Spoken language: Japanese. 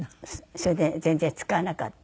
それで全然使わなかった。